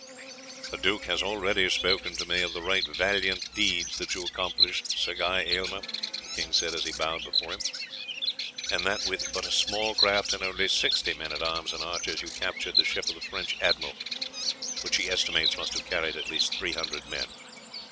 "The duke has already spoken to me of the right valiant deeds that you accomplished, Sir Guy Aylmer," the king said as he bowed before him, "and that with but a small craft and only sixty men at arms and archers you captured the ship of the French admiral, which he estimates must have carried at least three hundred men.